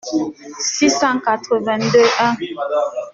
six cent quatre-vingt-deux-un.